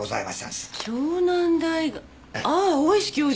ああ大石教授。